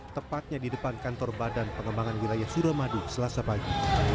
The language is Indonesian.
tepatnya di depan kantor badan pengembangan wilayah suramadu selasa pagi